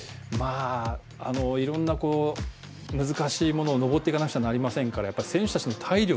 いろんな難しいものを登っていかなくちゃいけないですから選手たちの体力